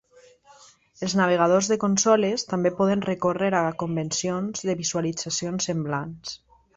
Els navegadors de consoles també poden recórrer a convencions de visualitzacions semblants.